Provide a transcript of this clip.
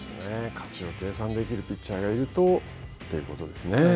勝ちを計算できるピッチャーがいると、ということですね。